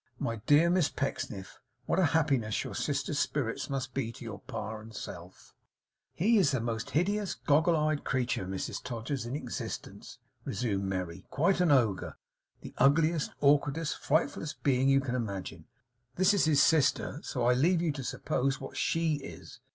My dear Miss Pecksniff, what a happiness your sister's spirits must be to your pa and self!' 'He's the most hideous, goggle eyed creature, Mrs Todgers, in existence,' resumed Merry: 'quite an ogre. The ugliest, awkwardest frightfullest being, you can imagine. This is his sister, so I leave you to suppose what SHE is.